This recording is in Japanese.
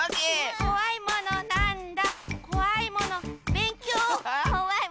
「こわいものなんだ？」